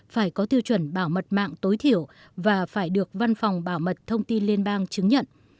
phải có tiêu chuẩn bảo mật mạng tối thiểu và phải được văn phòng bảo mật thông tin liên bang chứng nhận